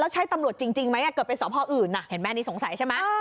แล้วใช่ตำรวจจริงจริงไหมอ่ะเกิดเป็นสอพออื่นอ่ะเห็นไหมอันนี้สงสัยใช่ไหมอ่า